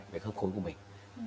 về khớp khối của mình